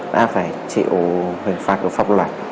đã phải chịu hình phạt của pháp luật